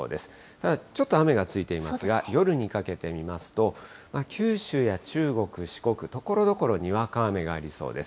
ただ、ちょっと雨がついていますが、夜にかけて見ますと、九州や中国、四国、ところどころにわか雨がありそうです。